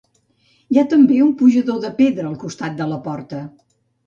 Hi ha també un pujador de pedra al costat de la porta.